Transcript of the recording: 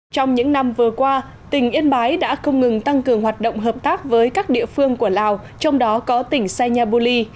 trong những năm vừa qua tỉnh yên bái đã không ngừng tăng cường hoạt động hợp tác với các địa phương của lào trong đó có tỉnh sanya buli